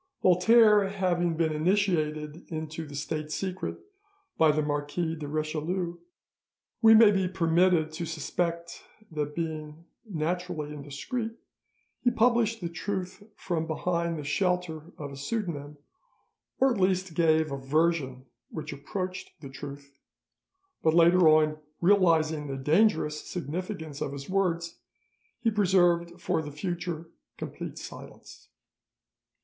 Voltaire having been initiated into the state secret by the Marquis de Richelieu, we may be permitted to suspect that being naturally indiscreet he published the truth from behind the shelter of a pseudonym, or at least gave a version which approached the truth, but later on realising the dangerous significance of his words, he preserved for the future complete silence.